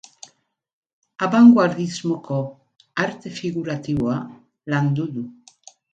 Abangoardismoko arte figuratiboa landu du.